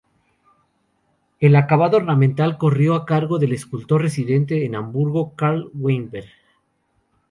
El acabado ornamental corrió a cargo del escultor residente en Hamburgo Karl Weinberger.